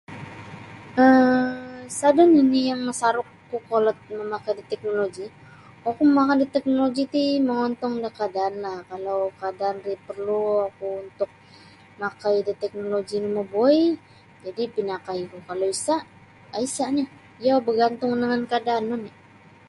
um Sada nini yang masaruk kolod mamakai da teknologi oku mamakai da teknologi ti mongontong da kadaan lah kalau kadaan ri perlu oku untuk mamakai da teknologi no mabuai jadi pinakai ku kalau isa isa nio iyo bagantung dangan kadaan oni'.